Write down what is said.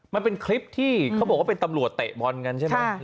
มันเป็นคลิปที่เขาบอกว่าเป็นตำรวจเตะบอลกันใช่ไหม